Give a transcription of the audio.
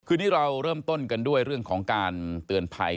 คือที่เราเริ่มต้นกันด้วยเรื่องของการเตือนภัย